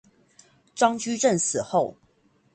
張居正死後